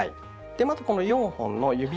まずこの４本の指先